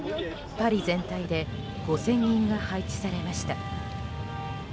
パリ全体で５０００人が配置されました。